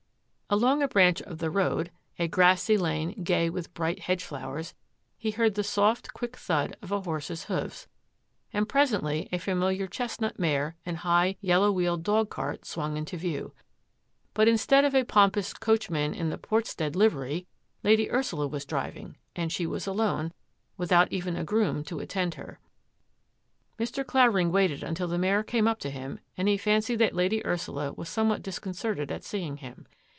Along a branch of the road — a grassy lane gay with bright hedge flowers — ^he heard the soft, quick thud of a horse's hoofs, and presently a fa miliar chestnut mare and high, yellow wheeled dog cart swung into view. But instead of a pompous coachman in the Portstead livery. Lady Ursula was driving, and she was alone, without even a groom to attend her. Mr. Clavering waited until the mare came up to him, and he fancied that Lady Ursula was some what disconcerted at seeing him.